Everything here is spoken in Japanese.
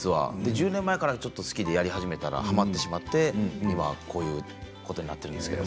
１０年前から好きでやり始めたらはまってしまって今こういうことになっています。